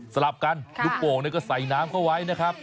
สาหรับกันลูกโป่งเนี่ยก็ใส่น้ำเข้าไว้นะครับ